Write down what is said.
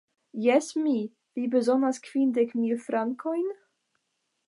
Jes, mi! Vi bezonas kvindek mil frankojn?